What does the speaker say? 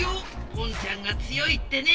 ポンちゃんが強いってね。